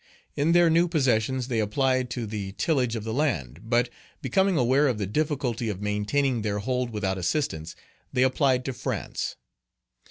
In their new possessions they applied to the tillage of the land; but, becoming aware of the difficulty of maintaining their hold without assistance, they applied to France.